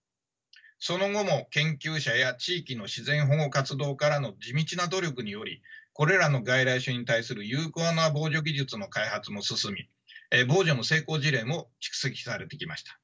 その後も研究者や地域の自然保護活動家らの地道な努力によりこれらの外来種に対する有効な防除技術の開発も進み防除の成功事例も蓄積されてきました。